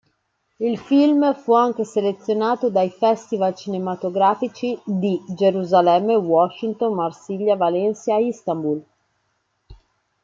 Il film fu anche selezionato dai festival cinematografici di Gerusalemme, Washington, Marsiglia, Valencia, Istanbul.